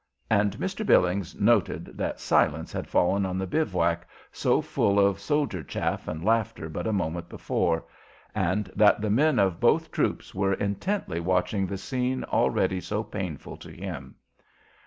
And Mr. Billings noted that silence had fallen on the bivouac so full of soldier chaff and laughter but a moment before, and that the men of both troops were intently watching the scene already so painful to him.